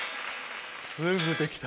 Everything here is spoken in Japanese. すぐできた！